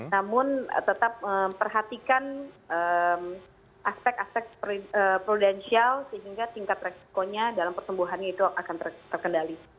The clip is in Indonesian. namun tetap perhatikan aspek aspek prudensial sehingga tingkatan keuntungan ekonomi